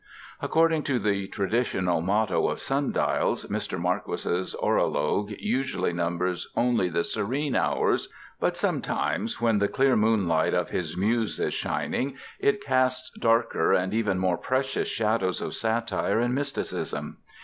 According to the traditional motto of sun dials, Mr. Marquis's horologe usually numbers only the serene hours; but sometimes, when the clear moonlight of his Muse is shining, it casts darker and even more precious shadows of satire and mysticism.